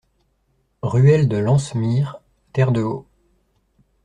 Ruelle de l'Anse Mire, Terre-de-Haut